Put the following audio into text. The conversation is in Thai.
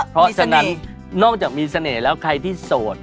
เพราะฉะนั้นนอกจากมีเสน่ห์แล้วใครที่โสด